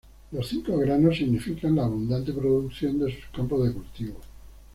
Los cinco granos significan la abundante producción de sus campos de cultivo.